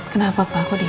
kenapa pak aku diam